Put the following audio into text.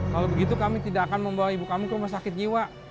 kalau begitu kami tidak akan membawa ibu kami ke rumah sakit jiwa